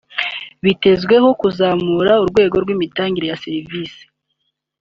bitezweho kuzamura urwego rw’imitangire ya Serivisi